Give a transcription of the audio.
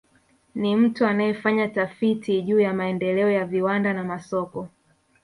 Ni mtu anayefanya tafiti juu ya maendeleo ya viwanda na masoko